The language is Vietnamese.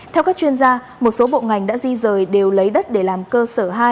theo các chuyên gia một số bộ ngành đã di rời đều lấy đất để làm cơ sở hai